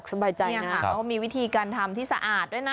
เขามีวิธีการทำที่สะอาดด้วยนะ